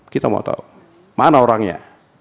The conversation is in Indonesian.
kita mau tahu mana orangnya